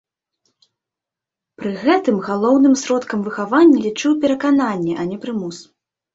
Пры гэтым галоўным сродкам выхавання лічыў перакананне, а не прымус.